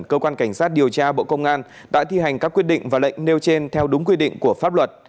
cơ quan cảnh sát điều tra bộ công an đã thi hành các quyết định và lệnh nêu trên theo đúng quy định của pháp luật